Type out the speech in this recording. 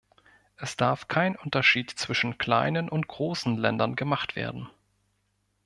Es darf kein Unterschied zwischen kleinen und großen Ländern gemacht werden.